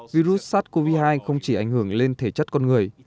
virus sars cov hai không chỉ ảnh hưởng lên thể chất con người